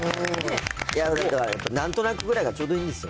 なんとなくぐらいがちょうどいいんですよ。